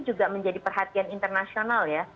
juga menjadi perhatian internasional